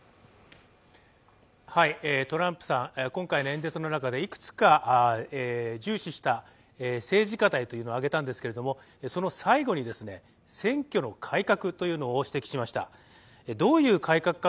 トランプさん、今回の演説の中でいくつか重視した政治課題を挙げたんですけれども、その最後に、選挙の改革というのを指摘しました。